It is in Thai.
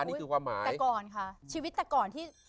แต่ก่อนค่ะชีวิตแต่กอลที่